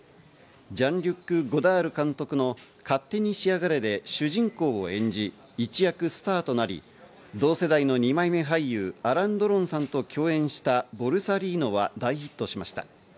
ジャンリュック・ゴダール監督の『勝手にしやがれ』で主人公を演じ、一躍スターとなり、同世代の二枚目俳優、アラン・ドロンさんと共演した『ボルサリーノ』は大ヒットしました。